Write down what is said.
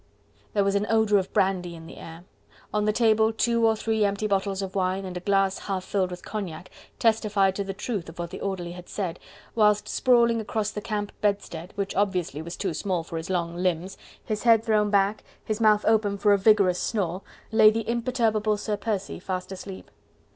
There was an odour of brandy in the air; on the table two or three empty bottles of wine and a glass half filled with cognac testified to the truth of what the orderly had said, whilst sprawling across the camp bedstead, which obviously was too small for his long limbs, his head thrown back, his mouth open for a vigorous snore, lay the imperturbable Sir Percy fast asleep.